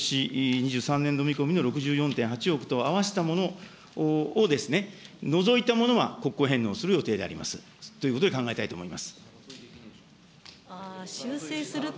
２３年度見込みの６４．８億と合わせたものをですね、除いたものが国庫返納する予定であります、ということで考えたいと思います。